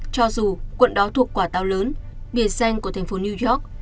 cho dù quận đó thuộc quả tàu lớn biển xanh của thành phố new york